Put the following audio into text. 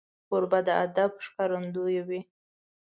کوربه د ادب ښکارندوی وي.